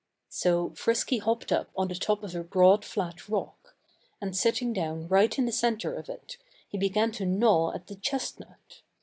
So Frisky hopped up on the top of a broad, flat rock. And sitting down right in the center of it, he began to gnaw at the chestnut.